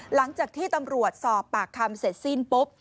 หลังจากที่ตำรวจสอบปากคำเสร็จสิ้นปุ๊บ